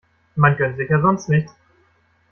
Man gönnt sich ja sonst nichts.